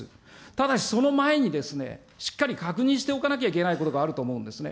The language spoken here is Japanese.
ただしその前に、しっかり確認しておかなきゃいけないことがあると思うんですね。